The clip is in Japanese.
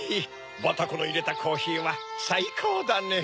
バタコのいれたコーヒーはさいこうだねぇ。